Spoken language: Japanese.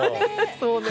そうね。